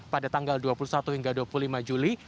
pada tanggal dua puluh satu hingga dua puluh lima juli